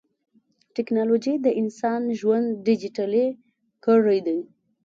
ټکنالوجي د انسان ژوند ډیجیټلي کړی دی.